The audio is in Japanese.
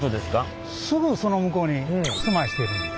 すぐその向こうに住まいしてる。